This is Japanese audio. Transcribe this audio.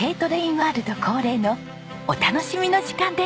ワールド恒例のお楽しみの時間です！